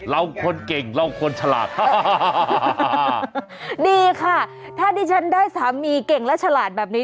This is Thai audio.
เราคนเก่งเราคนฉลาดดีค่ะถ้าดิฉันได้สามีเก่งและฉลาดแบบนี้